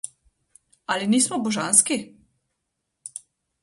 Ali nismo božanski?